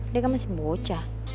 dia gak masih bocah